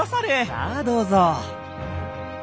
さあどうぞ。